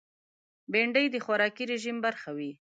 بېنډۍ د خوراکي رژیم برخه وي